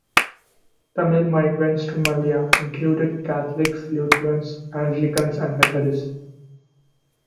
Tamil migrants to Malaya included Catholics, Lutherans, Anglicans, and Methodists.